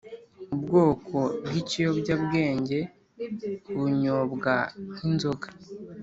ubwoko bw’ikiyobyabwenge bunyobwank’inzoga